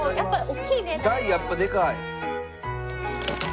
大やっぱでかい。